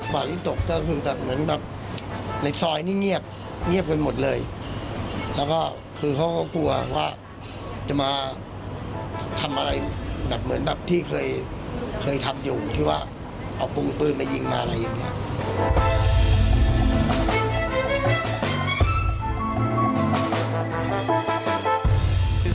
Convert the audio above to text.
ที่ตกก็คือแบบเหมือนแบบในซอยนี่เงียบเงียบกันหมดเลยแล้วก็คือเขาก็กลัวว่าจะมาทำอะไรแบบเหมือนแบบที่เคยเคยทำอยู่ที่ว่าเอาปรุงปืนมายิงมาอะไรอย่างเงี้ย